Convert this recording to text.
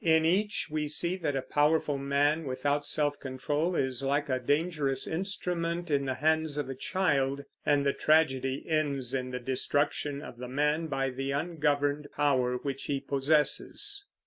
In each we see that a powerful man without self control is like a dangerous instrument in the hands of a child; and the tragedy ends in the destruction of the man by the ungoverned power which he possesses.